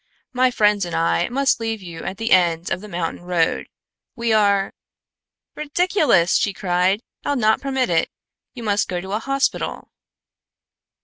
My friends and I must leave you at the end of the mountain road. We are " "Ridiculous!" she cried. "I'll not permit it! You must go to a hospital."